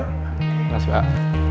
terima kasih pak